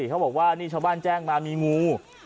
เขาบอกว่านี่ชาวบ้านแจ้งมามีงู